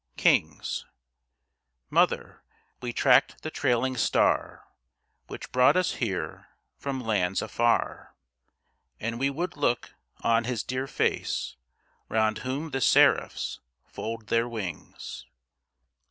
KINGS Mother, we tracked the trailing star Which brought us here from lands afar, And we would look on his dear face Round whom the Seraphs fold their wings.